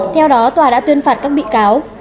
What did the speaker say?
theo đó tòa đã tuyên phạt các bị cáo